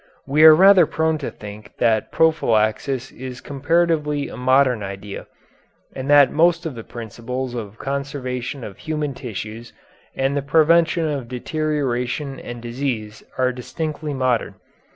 We are rather prone to think that prophylaxis is comparatively a modern idea, and that most of the principles of conservation of human tissues and the prevention of deterioration and disease are distinctly modern.